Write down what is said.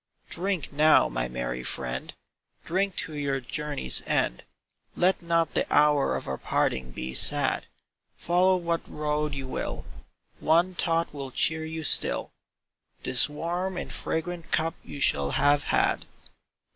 *'Drink now, my merry friend, Drink to your journey's end. Let not the hour of our parting be sad. Follow what road you will One thought will cheer you still — This warm and fragrant cup you shall have had.